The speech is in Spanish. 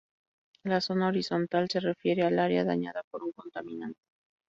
La zona horizontal se refiere al área dañada por un contaminante.